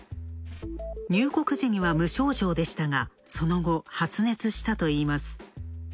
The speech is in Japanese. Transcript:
入国時には無症状でしたがその後、発熱したといいます。